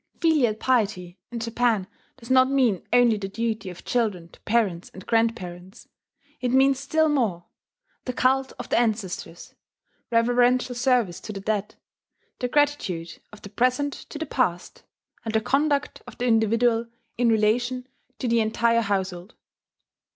Filial piety in Japan does not mean only the duty of children to parents and grandparents: it means still more, the cult of the ancestors, reverential service to the dead, the gratitude of the present to the past, and the conduct of the individual in relation to the entire household.